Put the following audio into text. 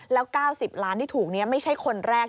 แล้ว๙๐ล้านที่ถูกนี้ไม่ใช่คนแรก